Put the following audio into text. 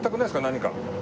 何か。